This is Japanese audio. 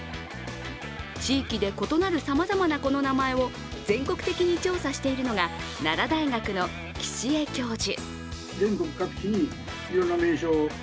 地域で異なるさまざまなこの名前を全国的に調査しているのが奈良大学の岸江教授。